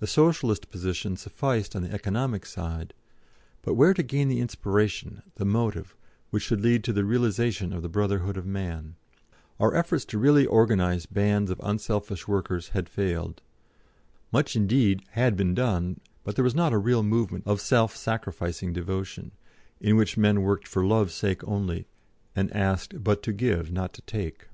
The Socialist position sufficed on the economic side, but where to gain the inspiration, the motive, which should lead to the realisation of the Brotherhood of Man? Our efforts to really organise bands of unselfish workers had failed. Much indeed had been done, but there was not a real movement of self sacrificing devotion, in which men worked for Love's sake only, and asked but to give, not to take.